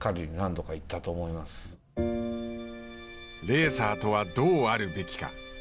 レーサーとはどうあるべきか。